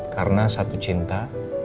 karena satu cinta